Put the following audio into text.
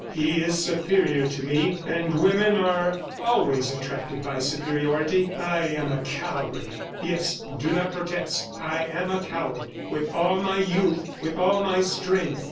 He is superior to me, and women are always attracted by superiority. ... I am a coward. Yes, do not protest, I am a coward with all my youth, with all my strength.